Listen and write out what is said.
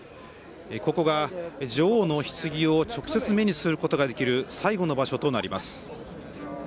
ここが、女王のひつぎを直接目にすることができる最後の場所となります。